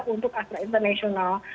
untuk astra international